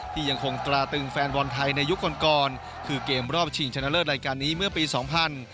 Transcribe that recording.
ที่ยังคงตราตึงแฟนบอลไทยในยุคก่อนก่อนคือเกมรอบชิงชนะเลิศรายการนี้เมื่อปีสองพัน